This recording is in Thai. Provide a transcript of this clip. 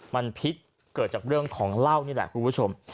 มันพิษเกิดจากเรื่องของเหล้านี่แหละคุณผู้ชม